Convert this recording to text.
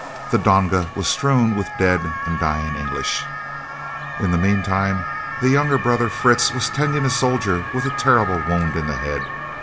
The donga was strewn with dead and dying English. In the meantime the younger brother Fritz was tending a soldier with a terrible wound in the head.